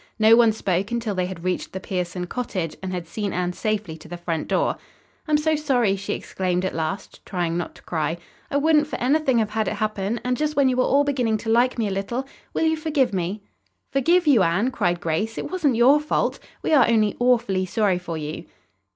No one spoke until they had reached the Pierson cottage and had seen Anne safely to the front door. "I'm so sorry!" she exclaimed at last, trying not to cry. "I wouldn't for anything have had it happen, and just when you were all beginning to like me a little. Will you forgive me?" "Forgive you, Anne!" cried Grace. "It wasn't your fault. We are only awfully sorry for you."